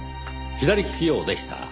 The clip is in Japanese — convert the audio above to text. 左利き用でした。